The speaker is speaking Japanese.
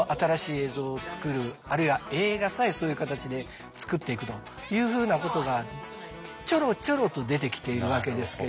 あるいは映画さえそういう形で作っていくというふうなことがちょろちょろと出てきているわけですけど。